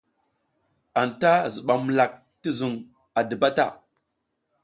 Anta zuɓam mulak ti zuƞ a diba ta.